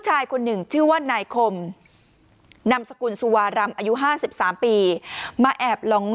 ชายคนหนึ่งชื่อว่านายคมนามสกุลสุวารำอายุ๕๓ปีมาแอบลอง